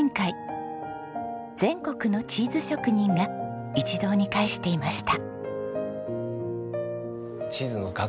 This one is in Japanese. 全国のチーズ職人が一堂に会していました。